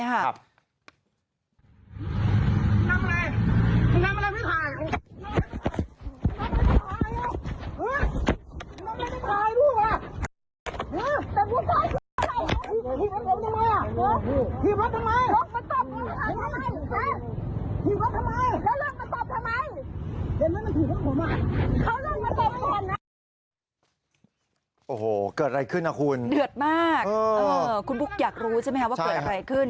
โอ้โหเกิดอะไรขึ้นนะคุณเดือดมากคุณบุ๊กอยากรู้ใช่ไหมครับว่าเกิดอะไรขึ้น